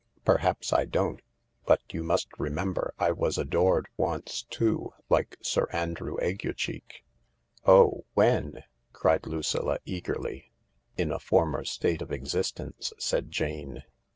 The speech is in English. " Perhaps I don't. But you must remember I was adored once too, like Sir Andrew Aguecheek," "Oh, when?" cried Lucilla eagerly. "In a former state of existence," said Jane.